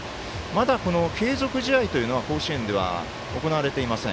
まだ、この継続試合というのは甲子園では行われていません。